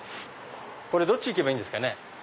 どっち行けばいいんですかね？